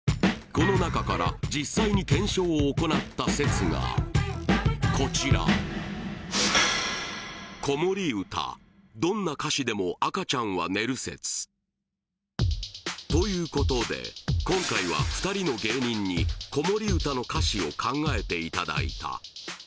この中から実際に検証を行った説がこちらということで今回は２人の芸人に子守唄の歌詞を考えていただいた